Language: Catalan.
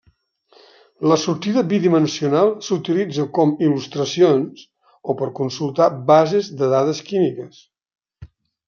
La sortida bidimensional s'utilitza com il·lustracions o per consultar bases de dades químiques.